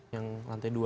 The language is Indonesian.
yang lantai dua